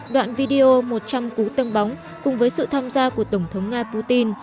đoạn video một trăm linh cú tông bóng cùng với sự tham gia của tổng thống nga putin